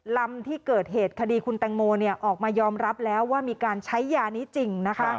ลำที่เกิดเหตุคดีคุณแตงโมออกมายอมรับแล้วว่ามีการใช้ยานี้จริง